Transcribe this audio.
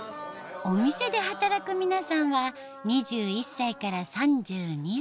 お店で働く皆さんは２１歳から３２歳。